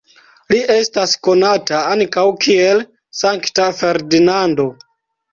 Li estas konata ankaŭ kiel Sankta Ferdinando.